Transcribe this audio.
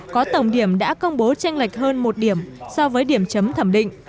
có tổng điểm đã công bố tranh lệch hơn một điểm so với điểm chấm thẩm định